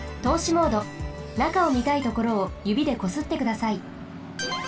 なかをみたいところをゆびでこすってください。